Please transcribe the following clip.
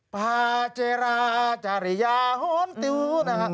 ปาเจราจาริยาหอนติวนะครับ